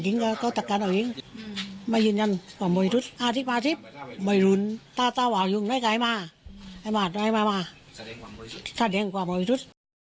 มามามามาติดต่อกับโนยุทุษ